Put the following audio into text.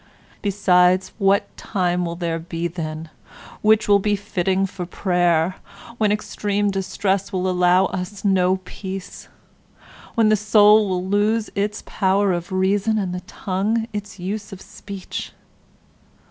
Besides, what time will there be then which will be fitting for prayer, when extreme distress will allow us no peace, when the soul will lose its power of reason and the tongue its use of speech?